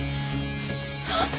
あっ！